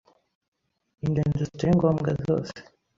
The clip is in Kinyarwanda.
ingendo zitari ngombwa zose